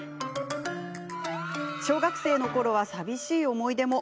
小学生のころは寂しい思い出も。